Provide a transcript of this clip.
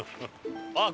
あっ